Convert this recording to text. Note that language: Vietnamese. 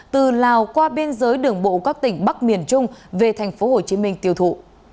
từ lào qua biên giới đường bộ các tỉnh bắc miền trung về tp hcm tiêu thụ